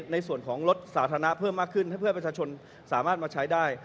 ในส่วนของรถสาธารณะเพิ่มมากขึ้นให้เพื่อประชาชนสามารถมาใช้ได้